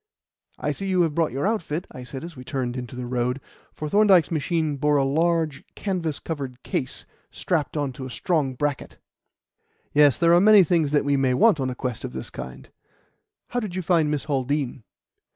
"I see you have brought your outfit," I said as we turned into the road; for Thorndyke's machine bore a large canvas covered case strapped on to a strong bracket. "Yes; there are many things that we may want on a quest of this kind. How did you find Miss Haldean?"